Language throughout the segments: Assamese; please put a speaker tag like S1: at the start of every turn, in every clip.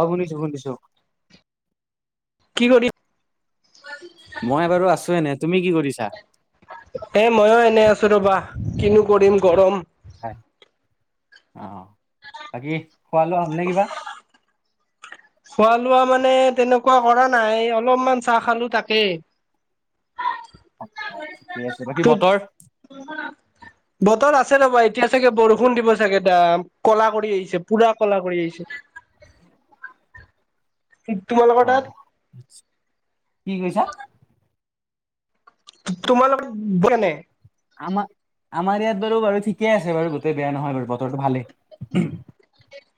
S1: অ' শুনিছো, শুনিছো।
S2: কি কৰি
S1: মই বাৰু আছো এনে তুমি কি কৰিছা?
S2: এ মইয়ো এনে আছো ৰবা। কিনো কৰিম গৰম।
S1: হয়, অ' বাকী। খোৱালোৱা হ'ল নে কিবা।
S2: খোৱা লোৱা মানে তেনেকুৱা কৰা নাই অলপমান চাহ খালো তাকে।
S1: অ' ঠিকে আছে, বাকী বতৰ।
S2: বতৰ আছে ৰ'বা, এতিয়া চাগে বৰষুণ দিব চাগে দ কলা কৰি আহিছে পুৰা কলা কৰি আহিছে।
S1: [inaudible]
S2: তোমালোকৰ তাত
S1: আহ, কি কৈছা।
S2: তোমালোকে [unintelligible] নাই।
S1: আমাৰ আমাৰ ইয়াত বাৰু বাৰু ঠিকেই আছে বাৰু গোটেই বেয়া নহয় বাৰু বতৰটো ভালেই।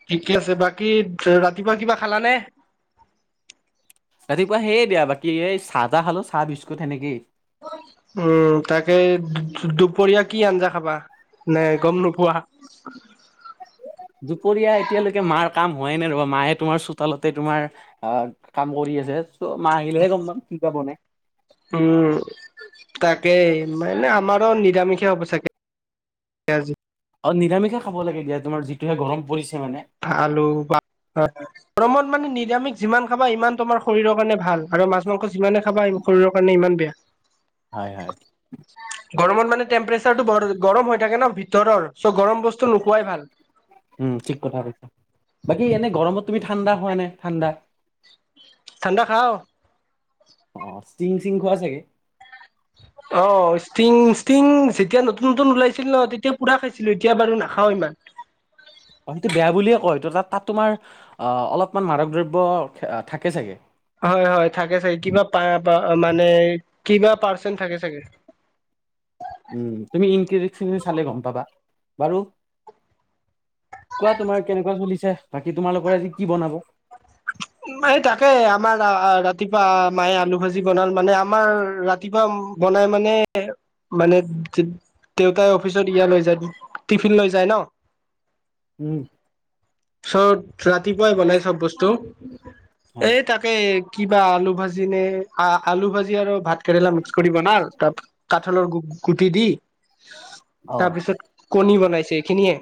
S2: ঠিকে আছে বাক। বাকী ৰাতিপুৱা কিবা খালানে?
S1: ৰাতিপুৱা সেইয় দিয়া বাকী এই চাহ চাহ খালো চাহ বিস্কুট সেনেকেই।
S2: উম, তাকে দুপৰীয়া কি আঞ্জা খাবা। নাই গ'ম নোপোৱা।
S1: [unintelligible] দুপৰীয়া এতিয়ালৈকে মাৰ কাম হোৱাই নাই ৰবা মায়ে তোমাৰ চোতালতে তোমাৰ আহ কাম কৰি আছে। তো মাহ আহিলেহে গ'ম পাম কি বা বনাই।
S2: উম, তাকেই মানে আমাৰো নিৰামিষে হ'ব চাগে। আজি
S1: অ' নিৰামিষে খাব লাগে দিয়া তোমাৰ যিটোহে গৰম পৰিছে। মানে
S2: আলু বা গৰমত। মানে নিৰামিষ যিমান খাবা ইমান তোমাৰ শৰীৰৰ কাৰণে ভাল আৰু মাছ মাংস যিমানে খাবা শৰৰ কাৰণে ইমান বেয়া।
S1: হয় হয়
S2: গৰমত মানে টেম্পৰেচাৰটো বৰ গৰম হৈ থাকে ন ভিতৰৰ। চ' গৰম বস্তু নোখোৱাই ভাল।
S1: উম ঠিক কথা কৈছা বাকী এনে গৰমত তুমি ঠাণ্ডা খোৱা নে ঠাণ্ডা।
S2: ঠাণ্ডা খাওঁ।
S1: অ' ষ্টিং চিং খোৱা চাগে।
S2: অ' ষ্টিং ষ্টিং যেতিয়া নতুন নতুন ওলাইছিল ন তেতিয়া পু়ৰা খাইছিলো। এতিয়া বাৰু নাখাওঁ ইমান।
S1: [inaudible] অ' সেইটো বেয়া বুলিয়ে কয় ত তাত তাত তোমাৰ অ' অলপমান মাদক দ্ৰব্য থাকে চাগে।
S2: হয়, হয়, থাকে চাগে কিবা প মানে কিবা পাৰ্চেন্ট থাকে চাগে।
S1: উম, তুমি ইনকেফেজুচটো চালে গ'ম পাবা বাৰু। কোৱা তোমাৰ কেনেকুৱা চলিছে, বাকী তোমালোকৰ আজি কি বনাব।
S2: এই তাকে আমাৰ ৰাতিপুৱা মায়ে আলু ভাজি বনাল মানে আমাৰ ৰাতি। বনাই মানে। মানে দেউতাই অফিচত ইয়া লৈ যায় টিফিন লৈ যায় ন।
S1: উম
S2: চ'ব ৰাতিপুৱাই বনাই চ'ব বস্তু।
S1: হয়
S2: এ তাকে কিবা আলু ভাজি নে আলু ভাজি আৰু ভাত কেৰেলা মিক্স কৰি বনাল তাৰ কাঠলৰ গু গুটি দি।
S1: অ
S2: তাৰপিছত কণী বনাইছে এইখিনিয়ে।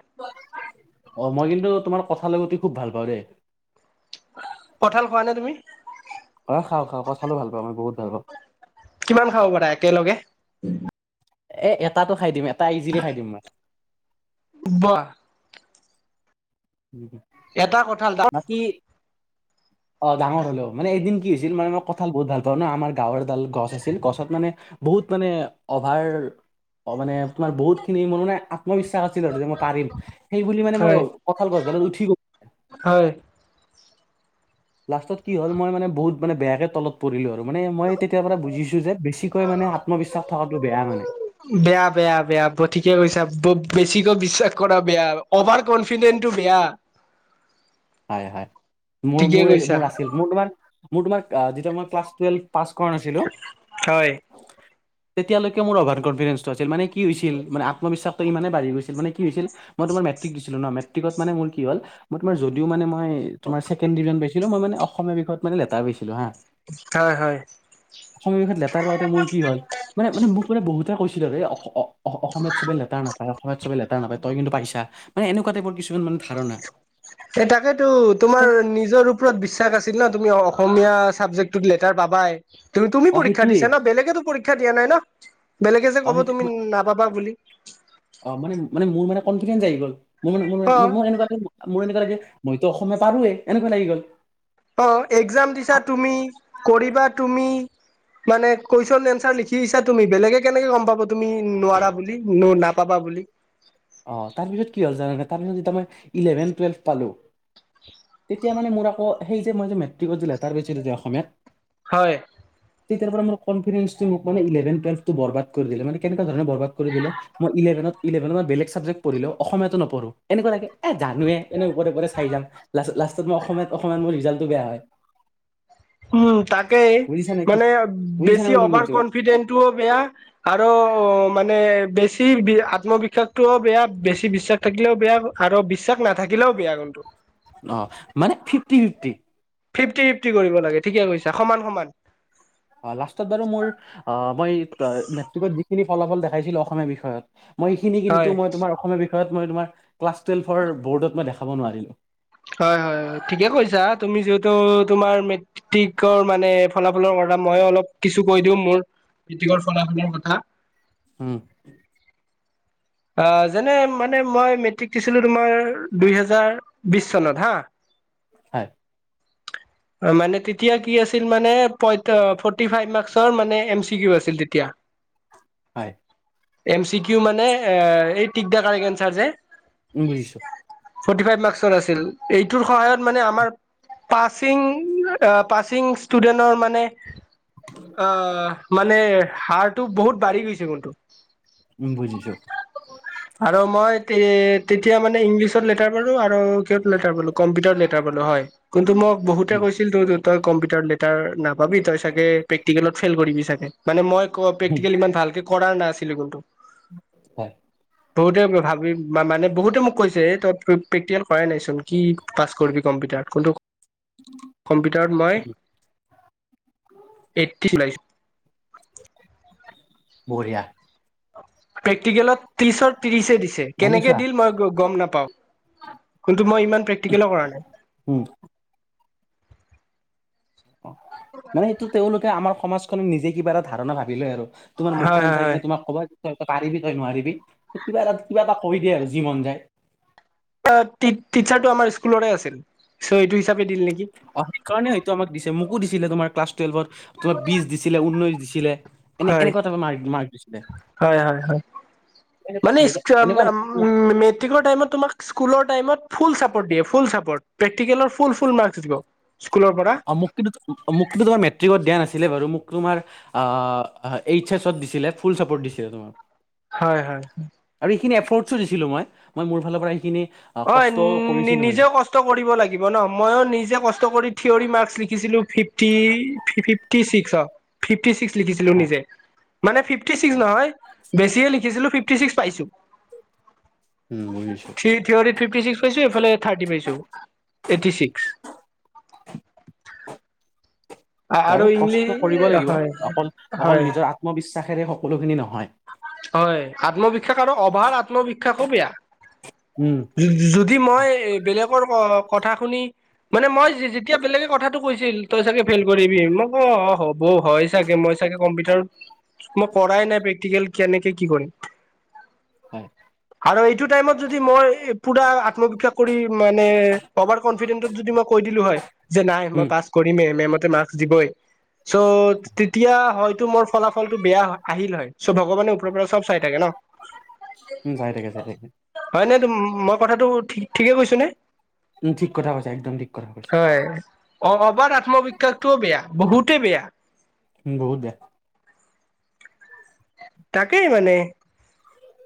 S1: কঠাল গুটি খুব ভাল পাওঁ দে।
S2: কঁঠাল খোৱা নে তুমি।
S1: হয় খাওঁ, খাওঁ, কঁঠালো ভাল পাওঁ, মই বহুত ভাল পাওঁ।
S2: কিমান খাব পাৰা একেলগে।
S1: এ এটাতটো খাই দিম এটা ইজিলি খাই দিম মই।
S2: বাৱ এটা কঁঠাল ডাঙৰ
S1: বাকী অ' ডাঙৰ হ'লেও মানে এদিন কি হৈছিল মানে, মই কঁঠাল বহুত ভাল পাওঁ ন আমাৰ গাঁৱৰ এডাল গছ আছিল গছত মানে বহুত মানে অভাৰ অ' মানে তোমাৰ বহুত খিনি মোৰ মানে আত্মবিশ্বাস আছিল আৰু যে মই পাৰিম। সেই বুলি মানে মই
S2: হয়
S1: কঁঠাল গছ গালত উঠি গলোঁ।
S2: [inaudible]
S1: লাষ্টত কি হ'ল মই মানে বহুত মানে বেয়াকে তলত পৰিলো আৰু মানে মই তেতিয়াৰ পৰা বুজিছো যে বেছিকৈ মানে মানে আত্মবিশ্বাস থকাটো বেয়া মানে।
S2: বেয়া বেয়া বেয়া ব ঠিকে কৈছা ব বেছিকৈ বিশ্বাস কৰা বেয়া অভাৰ কনফিডেন্। কিন্তু বেয়া।
S1: [inaudible] হয় হয় মোৰ
S2: ঠিকে
S1: মোৰ
S2: কৈছা
S1: মোৰ আছিল মোৰ তোম মোৰ তোমাক যেতিয়া মই ক্লাছ টোয়েলভ পাছ কৰা নাছিলো,
S2: হয়
S1: তেতিয়ালৈকে মোৰ অভাৰ কনফিডেন্সটো আছিল মানে। কি হৈছিল মানে, আত্মবিশ্বাসটো ইমানেই বাঢ়ি গৈছিল মানে কি হৈছিল, তোমাৰ মেট্ৰিক দিছিলোঁ ন মেট্ৰিক। মেট্ৰিকত মানে মোৰ কি হ'ল মোৰ তোমাৰ যদিও। যদি মে মই তোমাৰ ছেকেণ্ড ডিভিজন পাইছিলো, মই মানে অসমীয়া বিষয়ত মানে লেটাৰ পাইছিলো হা।
S2: হয় হয়
S1: অসমীয়া বিষত লেটাৰ পাওঁতে মোৰ কি হ'ল, মানে-মানে মোক মানে বহুত কৈছিলে হে অ-অ-অ-অসমীয়াত চবে লেটাৰ নাপায় অসমীয়াত চবে লেটাৰ নাপায় তই কিন্তু পাইছা, মানে এনেকুৱা টাইপৰ কিছ কিছুমান মান ধাৰণা।
S2: এ তাকেতো তোমাৰ নিজৰ ওপৰত বিশ্বাস আছিল ন তুমি অসমীয়া চাবজেক্টটোত লেতাৰ পাবাই, তুম-তুমি
S1: অ
S2: পৰীক্ষা
S1: সেইটোৱে
S2: দিছা ন বেলেগেতো পৰীক্ষ্ ক্ষা দিয়া নাই ন, বেলেগে যে
S1: অ
S2: ক'ব
S1: সেইটো
S2: তুমি
S1: মই-
S2: নাপাবা বুলি।
S1: কনফিডেঞ্চ আহি গ'ল, মোৰ
S2: অ
S1: [unintelligible] মোৰ এনেকুৱা লাগে মইতো অসমীয়া পাৰোঁৱেই, এনেকুৱা লাগি গ'ল।
S2: অ', এক্জাম দিছা তুমি, কৰিবা তুমি। মানে কুৱেশন এন্চাৰ লিখিছা তুমি বেলেগে কেনেকে গম পাবা তুমি নোৱাৰা বুলি, ন-নাপাবা বুলি
S1: অ', তাৰপিছত কি হ'ল যেনেকে তাৰপিছত যেতিয়া মই ইলেভেন টুৱেল্ভ পালো। তেতিয়া মানে মোৰ আকৌ সেই যে মই যে মেট্ৰিকত যে লেটাৰ পাইছোঁ যে অসমীয়াত।
S2: হয়।
S1: তেতিয়াৰ পৰা মোৰ কনফিডেঞ্চটোৱে মোক মান ইলেভন টোৱেলভটো বৰবাদ কৰি দিলে, মানে কেনেকা ধৰনে বৰবাদ কৰি দিলে মোৰ ইলেভে ইলেভেনত মই বেলেগ চা চাবজেক্ট পঢ়িলেও অসমীয়াটো নপঢ়োঁ, এনেকুৱা লাগে এ জানোৱে এনে ওপকে ওপৰে চাই যাম। লাষ্টত লাষ্টত মই অসমীয়া অকমান মোৰ ৰিজাল্টটো বেয়া হয়।
S2: উম, তাকে
S1: বুজিছা নে কি
S2: মানে
S1: বুজিছা নে
S2: বেছি
S1: মই কি
S2: অভাৰ
S1: কৈছোঁ
S2: কনফিডেন্টটোও বেয়া, আৰু মানে বেছি আত্মবিশ্বাসটোও বেয়া, বেছি বিশ্বাস থাকিলেও বেয়া আৰু বিশ্বাস নাথাকিলেও বেয়া কিন্তু।
S1: অ', মানে ফিফটি ফিফটি।
S2: ফিফটি-ফিফটি কৰিব লাগে ঠিকে কৈছা সমান-সমান।
S1: লাষ্টত বাৰু মোৰ অ', মই মেট্ৰিকত যিখিনি ফলাফল দেখিছিলোঁ অসমীয়া বিষয়ত। মই এইখিনি
S2: হয়
S1: কিন্তু মই তোমাৰ অসমীয়া বিষয়ত মই তোমাৰ ক্লাছ টুৱেলভৰ বৰ্ডত মই দেখাব নোৱাৰিলোঁ।
S2: হয়-হয়-হয় ঠিকে কৈছা, তুমি যিহেতু তোমাৰ মেট্ৰিকৰ মানে ফলাফলৰ মই অলপ কিছু কৈ দিওঁ মোৰ মেট্ৰিক ফলাফলৰ কথা।
S1: উম।
S2: অ', যেনে মানে মই মেট্ৰিক দিছিলোঁ তোমাৰ দুই হেজাৰ বিশ চনত হা।
S1: হয়।
S2: মানে তেতিয়া কি আছিল মানে পইত-ফ'ৰতি ফাইভ মাৰ্ক্সৰ মানে এম চি কিউ আছিল তেতিয়া।
S1: হয়।
S2: এম চি কিউ মানে এ, এই টিক দা কাৰেক্ট এঞ্চাৰ যে।
S1: উম, বুজিছোঁ।
S2: ফৰ্টি ফাইভ মাৰ্ক্সৰ আছিল। এইটোৰ সহায়ত মানে আমাৰ পাচিং অ', পাচিং ষ্টুডেনৰ মানে- অ', মানে হাড়টো বহুত বাঢ়ি গৈছে বন্ধু।
S1: উম, বুজিছো। [inaudible]
S2: আৰু মই তে-তেতিয়া মানে ইংলিছত লেটাৰ পালোঁ, আৰু কিহত লেটাৰ পালোঁ কম্পিউটাৰ লেটাৰ পালোঁ হয়। কিন্তু মোক বহুতে
S1: উম
S2: কৈছিল তো-তো তই কম্পিউটাৰত লেটাৰ নাপাবি তই চাগে প্ৰেটিকেলত ফেইল কৰিবি চাগে, মানে মই
S1: উম
S2: ক-প্ৰেকিকেল ইমান ভালকে কৰাৰ নাছিলোঁ কিন্তু।
S1: [inaudible] হয়।
S2: বহুতে ভাবি মা-মানে বহুতে মোক কৈছে তই পে-প্ৰেক্টিকেল কৰাই নাইচোন, কি পাচ কৰিবি কম পিটাৰত কোনটো - কম্পিউটাৰত মই, এইতটি [unintelligible]
S1: বঢ়িয়া।
S2: প্ৰেক্টিকেলত ত্ৰিশৰ ত্ৰিশেই দিছে,
S1: মানে
S2: কেনেকে
S1: চোৱা
S2: দিল মই গ-গম নাপা পাওঁ, কিন্তু মই ইমান প্ৰেক্টিকেলো কৰা নাই।
S1: উম অ', মানে এইটো তেওঁলোকে আমাৰ সমাজখন নিজে কিবা এটা ধাৰণা ভাবি লয় আৰু - তোমাৰ
S2: হয়
S1: মুখখন
S2: হয়
S1: চাই কি
S2: হয়
S1: নে তোমাক ক'বাত তই, তই পাৰিবি তই নোৱাৰিবি কিবাটা কিবা এটা কৰি দিয়ে আৰু যি মন যায়।
S2: অ', টিত টিচাৰটো আমাৰ স্কুলৰে আছিল চ' এইটো হিচাপে দিল নেকি?
S1: অ', সেইকাৰণে হয়তো আমাক দিছে মোকো দিছিলে তোমাৰ ক্লাছটুৱেল্ভত তোমা বিশ দিছিলে ঊনৈশ দিছিলে। এনে
S2: হয়
S1: এনেুৱাতে যাৰ গিমা -
S2: হয় - হয় - হয়।
S1: এনেকুৱা
S2: মানে
S1: নহয় যে
S2: ইচকে
S1: এনেকুৱা
S2: উম
S1: নহয় যে আমি
S2: মেট্ৰিকৰ টাইমত তোমাক স্কুলৰ টাইমত - ফুল চাপৰ্ট দিয়ে ফুল চাপৰ্ প্ৰেক্টিকেলৰ ফুল ফুল মাৰ্ক দিব স্কুলৰ পৰা।
S1: অ মোক কিন্তু অমোক কিন্তু তোমাৰ মেট্ৰিকত দিয়া নাছ - মোক দিলে বাৰু মোক তোমাৰ আ এইচ এচত দিছিলে ফুল চাপৰ্ট দিছিলে তোমাক -
S2: হয় - হয়।
S1: স্পৰ্টছো দিছিলোঁ। মই মোৰ ফালৰ পৰা সেইখিনি -
S2: হয় নিজেও কষ্ট কৰিব লাগিব ন ময়ো নিজে কষ্ট কৰি থিয়ৰি মাৰ্ক লিখ - লিখিছিলো ফিফটি ফিফটি চিক্স অ ফিফট - ফিফটি চিকিচ লিখিছিলো
S1: হয়
S2: নিজে মানে ফিফটি চিকচ
S1: হয়
S2: নহয় বেছিহে লিখিছিলো ফিফ- ফিফটি ছিক্স পাইছো।
S1: উম বুজিছো
S2: থি থিয়ৰিত ফিফটিছিক্স পাইছো এইফালে থাৰ্টি পাইছো এহ - আৰু
S1: বাৰু কষ্ট কৰিব
S2: ইংলিছ
S1: লাগিব
S2: হয়
S1: অকল
S2: হয়
S1: অকল নিজৰ আত্মবিশ্বাসেৰে সকলোখিনি নহয়।
S2: হয় আত্মবিশ্বাস আৰু অভাৰ আত্মবিশ্বাসো বেয়া।
S1: উম
S2: যদি মই বেলেগৰ অ - কথা শুনি মানে মই যে যেতিয়া বেলেগে কথাটো কৈছিল তই চাগে ফেইল কৰিবি মই কও হ'ব। অ', হয় চাগে, মই চাগে কম্পিউটাৰত মই কৰাই নাই প্ৰ টিকেল কেনেকে কি কৰিম।
S1: হয়।
S2: আৰু এইটো টাইমত যদি মই পূৰা আত্মবিকাশ কৰি মানে অভাৰ কনফিডেণ্টত যদি মই কৈ দিলোঁ হয়। যে নাই
S1: উম
S2: মই পাছ কৰিমেই এম এম ত। মাৰ্ক্স দিবই, চ' তেতিয়া হয়তো মোৰ ফলাফলটো বেয়া আহিল হয়। চ ভগৱানে ওপৰৰ পৰা চব চাই থাকে ন।
S1: উম যাই থাকে চাই থাকে।
S2: কথাাটো ঠিক ঠিকেই কৈছোঁ নে?
S1: উম ঠিক কথা কৈছা, একদম ঠিক কথা কৈছা।
S2: অভাৰ আত্মবিস্বাটোও বেয়া, বহুতেই বেয়া।
S1: বহুত বেয়া।
S2: তাকেই মানে।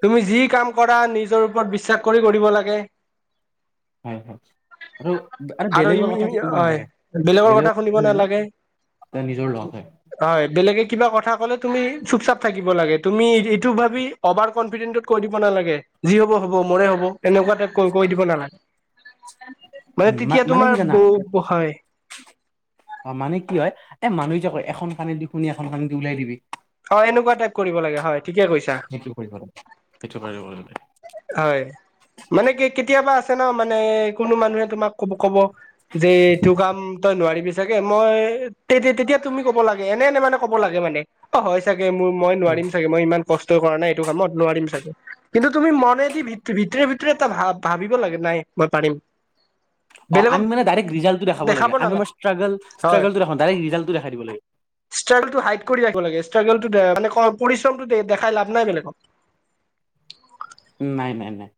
S2: তুমি যি কাম কৰা নিজৰ ওপৰত বিশ্বাস কৰি কৰিব লাগে।
S1: হয় হয়। আৰু, আৰু বেলেগৰ কথা শিকিব
S2: হয়
S1: নালাগে
S2: কথা
S1: বেলেগৰ
S2: শুনিব
S1: শুনিলে
S2: নালাগে
S1: তাৰ নিজৰ লগ হয়
S2: হয় বেলেগে কিবা কথা কলে তুমি চুপ চাপ থাকিব লাগে, তুমি এইটো ভাবি কনফিডেন্ত কৈ দিব নালাগে, যি হ'ব হ'ব মোৰে হ'ব এনেকুৱা কৈ দিব নালাগে। মানে
S1: উম,
S2: তেতিয়া
S1: মানে
S2: তোমাৰ
S1: কি
S2: ব
S1: জানা?
S2: হয়
S1: অ', মানে কি হয়? এ মানুহে যে কয় এখন কাণেদি শুনি এখন কানেদি উলিয়াই দিবি।
S2: অ', এনেকুৱা টাইপ কৰিব লাগে হয়। ঠিকেই কৈছা।
S1: সেইটো কৰিব লাগে সেইটো কৰিব লাগে
S2: হয়, মানে কি কেতিয়াবা আছে ন। মানে কোনো মানুহে তোমাক কব কব যে এইটো কাম তই নোৱাৰিবি চাগে, মই তে তেতিয়া তুমি কব লাগে এনে এনে মানে কব লাগে মানে অ' হয় চাগে। চাগে মোৰ মই
S1: উম
S2: নোৱাৰিম চাগে মই ইমান কষ্ট কৰা নাই এইটো কামত নোৱাৰিম চাগে। কিন্তু তুমি মনে দি ভিত ভিতৰে ভিতৰে এটা ভ ভাবিব লাগে নাই মই পাৰিম।
S1: অ
S2: বেলেগক
S1: আমি মানে ডাইৰেক্ ৰিজাল্টটো দেখাব লাগে, আমি আমাৰ স্ত্ৰাগল [unintelligible] ডাইৰেক্ ৰিজাল্টো দেখাই দিব লাগে।
S2: ষ্টাগল টো হাইট কৰি ৰাখিব লাগে। ষ্টাগ ল মানে পৰিশ্ৰমটো দেখাই লাভ নাই বেলেগক।
S1: নাই -নাই -নাই।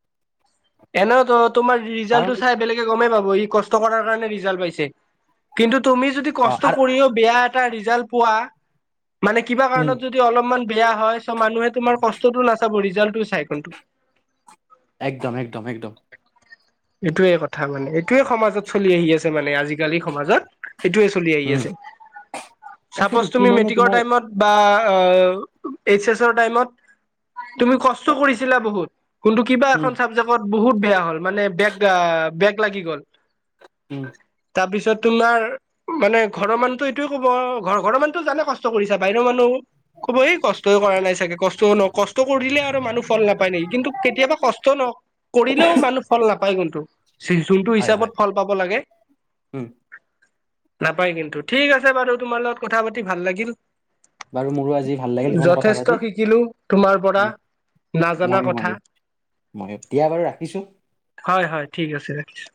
S2: এনেও তোমাৰ
S1: কাৰণ
S2: ৰিজাল্টটো চাই বেলেগে গমেই পাব। ই কষ্ট কৰাৰ কাৰণে ৰিজাল্ট পাইছে। কিন্তু তুমি যদি
S1: অ
S2: কষ্ট
S1: আৰু
S2: কৰিও বেয়া এটা ৰিজাল্ট পোৱা, মানে কিবা
S1: উম
S2: কাৰণত যদি অলপমান বেয়া হয় চ' মানুহে তোমাৰ কষ্টতটো নাচাব ৰিজাল্টটো চাই কিন্তু।
S1: একদম- একদম- একদম।
S2: এইটোৱে কথা মানে। এইটোৱে সমাজত চলি আহি আছে মানে আজিকালি সমাজত। এইটোৱেই চলি
S1: উম
S2: আহিছে।
S1: তাকেতো
S2: সাপ'চ তুমি
S1: কিমানে
S2: মেট্ৰিকৰ
S1: তোমাৰ
S2: টাইমত বা অ', এইচ এছৰ টাইমত তুমি কষ্ট কৰিছিলা বহুত। কোনটো কিবা
S1: উম
S2: এখন চাবজেক্টত বহুত বেয়া হ'ল মানে বেগ বেগ লাগি গ'ল।
S1: উম
S2: তাৰপিছত তোমাৰ মানে ঘৰৰ মানুহটো এইটোৱে ক'ব, ঘৰ ঘৰৰ মানুহটো জানে কষ্ট কৰিছা বাহিৰৰ মানুহ ক'ব এই কষ্টই কৰা নাই চাগে। কষ্ট কষ্ট কৰি দিলে আৰু মানুহ ফল নাপায় নেকি? কিন্তু কেতিয়াবা কষ্ট কৰিলেও মানুহ ফল নাপ কিন্তু যি যোনটো
S1: হয়
S2: হিচাপত
S1: হয়
S2: ফল পাব লাগে।
S1: উম
S2: নাপাই কিন্তু, ঠিক আছে বাৰু তোমাৰ লগত কথা পাতি ভাল লাগিল।
S1: বাৰু মোৰো আজি ভাল লাগিল তোমাৰ লগত কথা
S2: যথেষ্ট
S1: পাতি
S2: শিকিলো তোমাৰ পৰা। নাজানা কথা।
S1: মই এতিয়া বাৰু ৰাখিছোঁ।
S2: হয়, হয়, ঠিক আছে ৰাখিছোঁ।